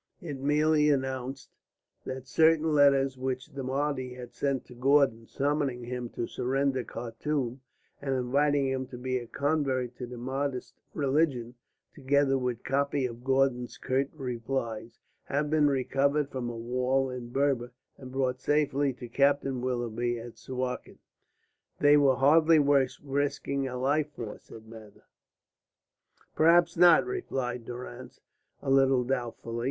It merely announced that certain letters which the Mahdi had sent to Gordon summoning him to surrender Khartum, and inviting him to become a convert to the Mahdist religion, together with copies of Gordon's curt replies, had been recovered from a wall in Berber and brought safely to Captain Willoughby at Suakin. "They were hardly worth risking a life for," said Mather. "Perhaps not," replied Durrance, a little doubtfully.